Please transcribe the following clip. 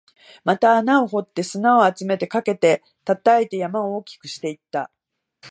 また穴を掘って、砂を集めて、かけて、叩いて、山を大きくしていった